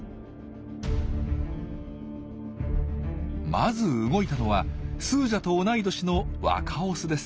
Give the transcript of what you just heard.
まず動いたのはスージャと同い年の若オスです。